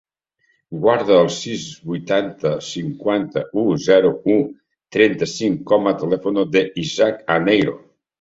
Guarda el sis, vuitanta, cinquanta-u, zero, u, trenta-cinc com a telèfon de l'Isaac Aneiros.